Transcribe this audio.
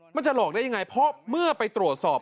มันจะหลอกได้ยังไงเพราะเมื่อไปตรวจสอบ